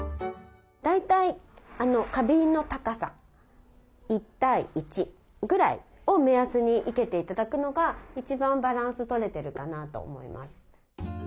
大体花瓶の高さ１対１ぐらいを目安に生けて頂くのが一番バランスとれてるかなと思います。